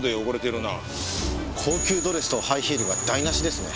高級ドレスとハイヒールが台無しですね。